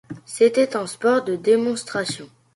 C'était un sport de démonstration.